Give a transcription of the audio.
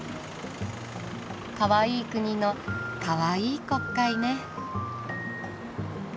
かわいい国のかわいい国会ね。